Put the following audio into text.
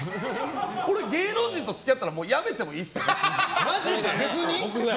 俺、芸能人と付き合ったらやめてもいいですよ。